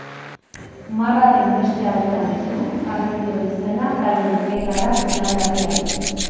Marraren beste aldean zu jarri dio izena talde bizkaitarrak lan berriari.